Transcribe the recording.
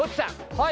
はい。